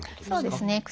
そうですね。